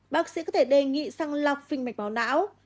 bác sĩ có thể đề nghị sang lọc phinh mạch máu não